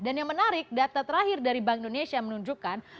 dan yang menarik data terakhir dari bank indonesia menunjukkan